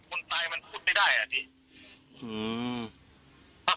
หื้ม